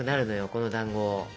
このだんご。